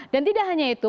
dan tidak hanya itu